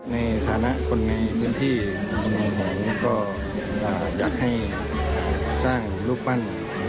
ในฐานะคนในพื้นที่ก็อยากให้สร้างรูปปั้น